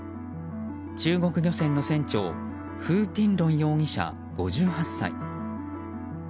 中国漁船の船長フー・ピンロン容疑者、５８歳。